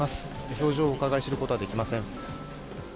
表情をうかがい知ることはできません。